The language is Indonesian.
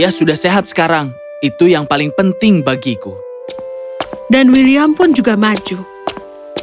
oh adikku maafkan aku juga karena aku berada di bawah mantra penyihir dan tidak tahu apa yang kulakukan